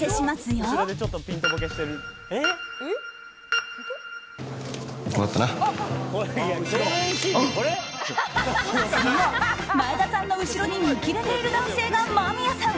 そう、前田さんの後ろに見切れている男性が間宮さん。